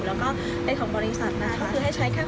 แล้วก็เป็นของบริษัท่าก็คือใช้ของเราเท่านั้น